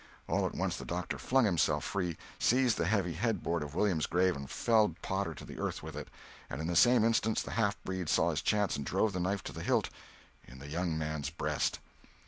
All at once the doctor flung himself free, seized the heavy headboard of Williams' grave and felled Potter to the earth with it—and in the same instant the half breed saw his chance and drove the knife to the hilt in the young man's breast.